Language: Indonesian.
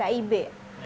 pak selain di kib